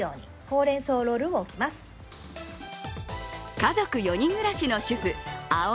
家族４人暮らしの主婦あお